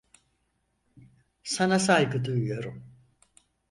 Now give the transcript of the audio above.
Sana saygı duyuyorum.